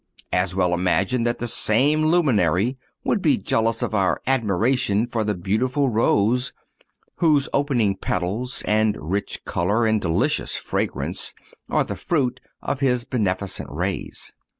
As well imagine that the same luminary would be jealous of our admiration for the beautiful rose, whose opening petals and rich color and delicious fragrance are the fruit of his beneficent rays.